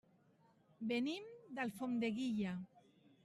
Venim d'Alfondeguilla.